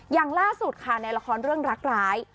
อย่างล่าสุดค่ะในละครเรื่องรักร้าย